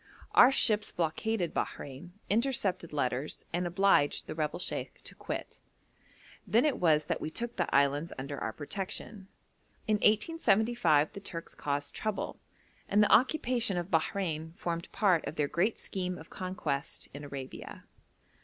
Our ships blockaded Bahrein, intercepted letters, and obliged the rebel sheikh to quit. Then it was that we took the islands under our protection. In 1875 the Turks caused trouble, and the occupation of Bahrein formed part of their great scheme of conquest in Arabia.